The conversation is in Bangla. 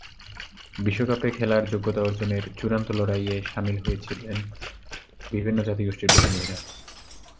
বিশ্বকাপে খেলার যোগ্যতা অর্জনের চূড়ান্ত লড়াইয়ে শামিল হয়েছিলেন বিভিন্ন জাতিগোষ্ঠীর প্রতিনিধিরা।